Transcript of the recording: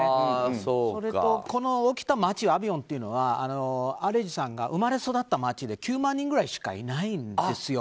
それと、この町アビニョンというのはアレジさんが生まれ育った町で９万人ぐらいしかいないんです。